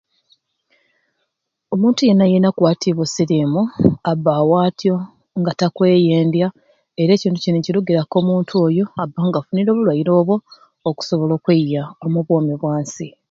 Omuntu yeena yeena akwatiibwe o siriimu abba awo atyo nga takweyendya era ekintu kini kiruguraku omuntu oyo abba nga alina obulwaire obwo okusobola okweyya omu bwoomi bwansi.